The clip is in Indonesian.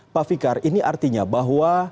pak fikar ini artinya bahwa